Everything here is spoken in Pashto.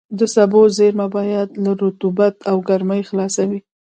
د سبو زېرمه باید له رطوبت او ګرمۍ خلاصه وي.